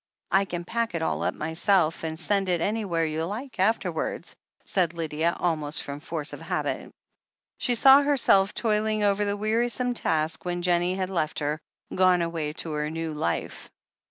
"I can pack it all up myself and send it anywhere you like afterwards," said Lydia, almost from force of habit. She saw herself toiling over the wearisome task when Jennie had left her, gone away to her new life.